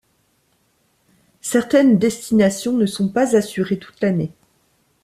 Certaines destinations ne sont pas assurées toute l'année.